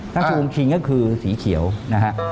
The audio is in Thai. ราชวงศ์ชิงก็คือสีเขียวนะครับ